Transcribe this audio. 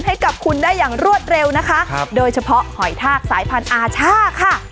ให้กับคุณได้อย่างรวดเร็วนะคะครับโดยเฉพาะหอยทากสายพันธุ์อาช่าค่ะ